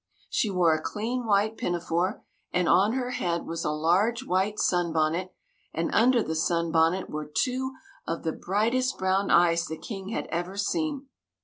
She wore a clean white pinafore, and on her head was a large white sunbonnet, and under the sunbonnet were two of the brightest brown eyes the King had ever seen.